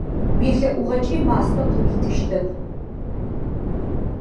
УелъэӀугъэкӀи мастэ къыуитыщтэп.